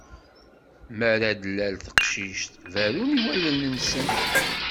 Mi ara d-tlal d teqcict, berrun i wallen-nsen.